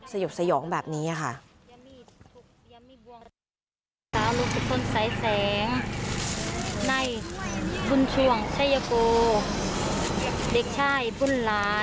สยบสยองแบบนี้ค่ะ